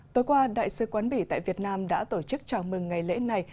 tối qua đại sứ quán bỉ tại việt nam đã tổ chức chào mừng ngày lễ này